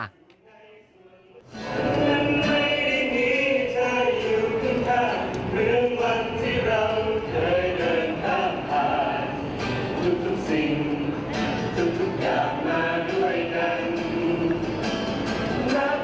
เป็นช่วงชีวิตที่ดีที่สุดแม้เป็นกะเทียงละล่าส่างสัน